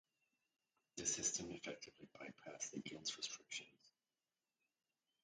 The system effectively bypassed the guilds' restrictions.